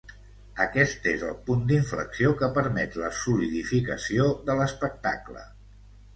Aquest és el punt d’inflexió que permet la solidificació de l’espectacle.